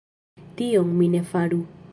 Tion mi ne faru.